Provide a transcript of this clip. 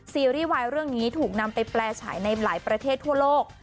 ซีรีส์วายเรื่องนี้ถูกนำไปแปลฉายในหลายประเทศทั่วโลก